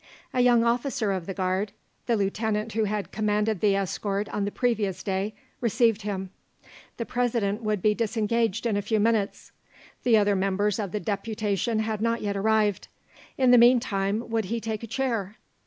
A young officer of the Guard, the Lieutenant who had commanded the escort on the previous day, received him. The President would be disengaged in a few minutes. The other members of the deputation had not yet arrived; in the meantime would he take a chair?